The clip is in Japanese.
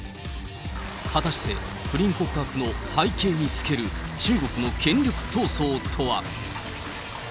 果たして不倫告白の背景に透ける中国の権力闘争とは。